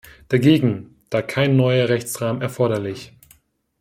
Dagegen, da kein neuer Rechtsrahmen erforderlich.